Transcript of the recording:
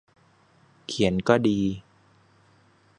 เขียนก็ดี